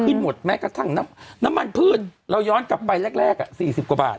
หมดแม้กระทั่งน้ำมันพืชเราย้อนกลับไปแรก๔๐กว่าบาท